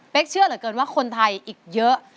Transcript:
เชื่อเหลือเกินว่าคนไทยอีกเยอะ